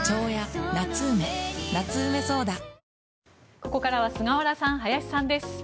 ここからは菅原さん、林さんです。